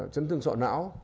chấn thương sọ não